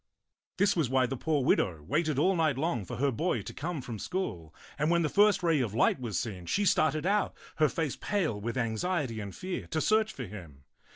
This was why the poor widow waited all night long for her boy to come from school ; and when the first ray of light was seen, she started out, her face pale with anxiety and fear, to search for him.